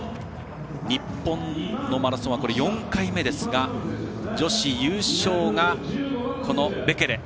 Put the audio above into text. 日本のマラソンは４回目ですが女子優勝が、ベケレ。